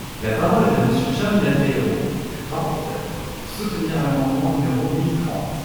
La parole est à Monsieur Germinal Peiro, rapporteur, pour soutenir l’amendement numéro mille trente.